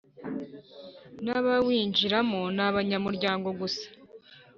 n abawinjiramo n abanyamuryango gusa